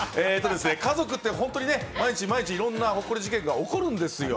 家族って本当に毎日毎日、いろんなほっこり事件が起こるんですよ。